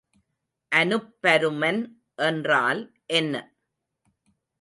அனுப்பருமன் என்றால் என்ன?